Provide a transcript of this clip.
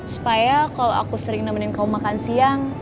supaya kalo aku sering nemenin kamu makan siang